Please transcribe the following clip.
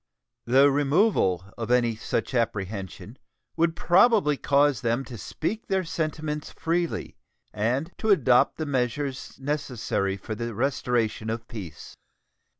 The removal of any such apprehension would probably cause them to speak their sentiments freely and to adopt the measures necessary for the restoration of peace.